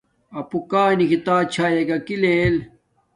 اَپُݸ کݳ نِکھِتݳئی چھݳئی کِہ ݵل؟